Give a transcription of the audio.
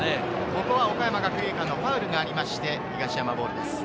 ここは岡山学芸館のファウルがありまして、東山ボールです。